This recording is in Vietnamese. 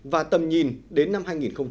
và tầm nhìn đến năm hai nghìn hai mươi năm